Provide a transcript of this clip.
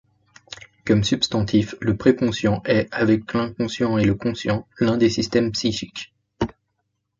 Comme substantif, le préconscient est, avec l'inconscient et le conscient, l'un des systèmes psychiques.